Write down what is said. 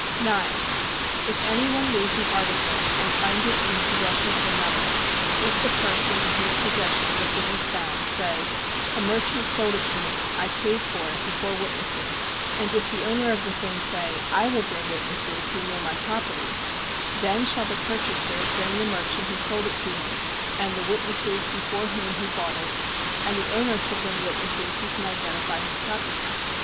9. If any one lose an article, and find it in the possession of another: if the person in whose possession the thing is found say "A merchant sold it to me, I paid for it before witnesses," and if the owner of the thing say "I will bring witnesses who know my property," then shall the purchaser bring the merchant who sold it to him, and the witnesses before whom he bought it, and the owner shall bring witnesses who can identify his property.